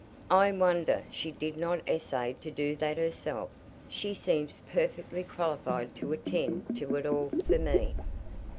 "I wonder she did not essay to do that herself she seems perfectly qualified to attend to it all for me."